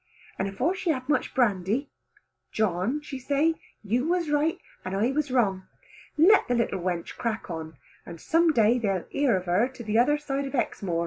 And afore she had had much brandy, "John," she say, "you was right and I was wrong. Let the little wench crack on, and some day they'll hear of her to tother side of Hexmoor."